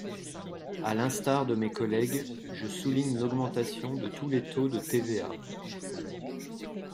À l’instar de mes collègues, je souligne l’augmentation de tous les taux de TVA.